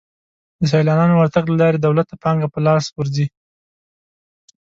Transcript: د سیلانیانو ورتګ له لارې دولت ته پانګه په لاس ورځي.